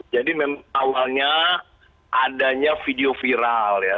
jadi memang awalnya adanya video viral ya